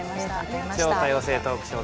「超多様性トークショー！